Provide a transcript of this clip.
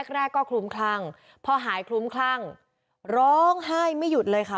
แรกก็คลุ้มคลั่งพอหายคลุ้มคลั่งร้องไห้ไม่หยุดเลยค่ะ